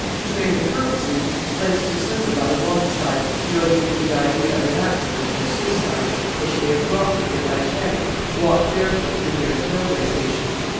She may have purposely placed her slipper by the water side, in order to give the idea of an accident or a suicide; or she may have dropped it there by chance, and walked barefoot to the nearest railway station.